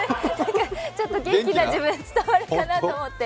ちょっと元気な自分伝わるかなと思って。